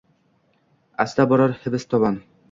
Asta borar hibs tomon.